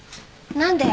何で？